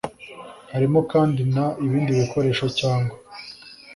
Harimo kandi n ibindi bikoresho cyangwa